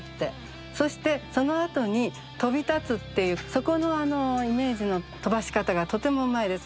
そしてそのあとに「飛び立つ」っていうそこのイメージの飛ばし方がとてもうまいです。